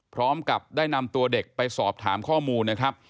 พร้อมกับได้นำตัวเด็กไปสอบถามข้อมูลนะครับ